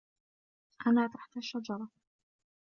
أنا تحت الشجرة.